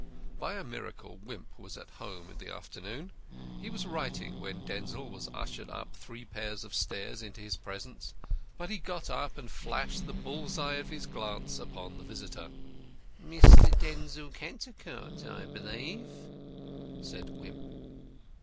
By a miracle Wimp was at home in the afternoon. He was writing when Denzil was ushered up three pairs of stairs into his presence, but he got up and flashed the bull's eye of his glance upon the visitor. "Mr. Denzil Cantercot, I believe," said Wimp.